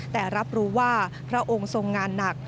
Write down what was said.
แต่รับรู้ว่าพระองค์ทรงงานหนัก